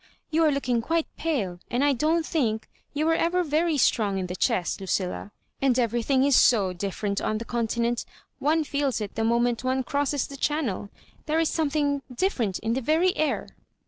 You are looking quite pale, and I don't think you were ever veiT" strong in the chest, Lucilla; and everything is so different on the Continent — one feels it the moment one crosses the Channel; there is something different in the very air.